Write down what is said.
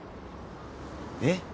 ・えっ？